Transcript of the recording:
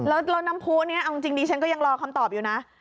แล้วน้ำผู้นี้เอาจริงดิฉันก็ยังรอคำตอบอยู่นะ